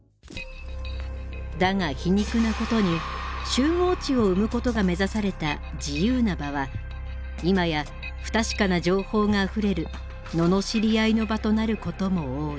だが皮肉なことに「集合知」を生むことが目指された「自由な場」は今や不確かな情報があふれる罵り合いの場となることも多い。